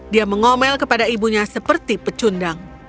dia mengomel kepada ibunya seperti pecundang